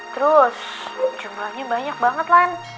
terus jumlahnya banyak banget lan